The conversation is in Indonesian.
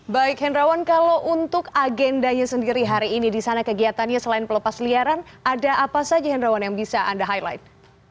baik hendrawan kalau untuk agendanya sendiri hari ini di sana kegiatannya selain pelepas liaran ada apa saja henrawan yang bisa anda highlight